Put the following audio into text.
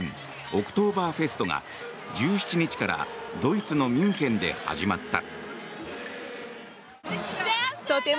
オクトーバーフェストが１７日からドイツのミュンヘンで始まった。